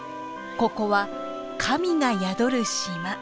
ここは神が宿る島。